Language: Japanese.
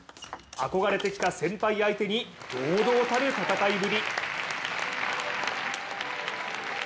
憧れてきた先輩相手に堂々たる戦いぶり。